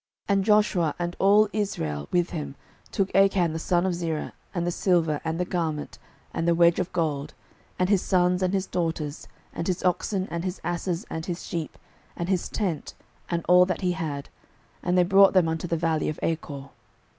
06:007:024 And Joshua, and all Israel with him, took Achan the son of Zerah, and the silver, and the garment, and the wedge of gold, and his sons, and his daughters, and his oxen, and his asses, and his sheep, and his tent, and all that he had: and they brought them unto the valley of Achor.